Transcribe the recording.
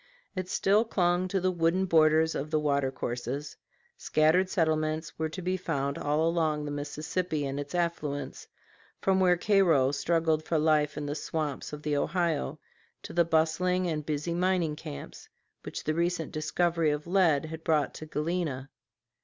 It still clung to the wooded borders of the water courses; scattered settlements were to be found all along the Mississippi and its affluents, from where Cairo struggled for life in the swamps of the Ohio to the bustling and busy mining camps which the recent discovery of lead had brought to Galena.